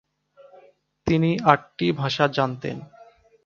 তিনি আটটি ভাষা জানতেন।